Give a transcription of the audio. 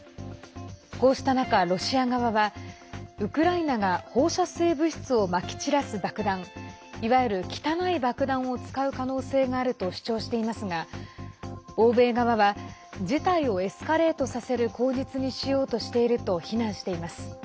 こうした中、ロシア側はウクライナが放射性物質をまき散らす爆弾いわゆる汚い爆弾を使う可能性があると主張していますが欧米側は事態をエスカレートさせる口実にしようとしていると非難しています。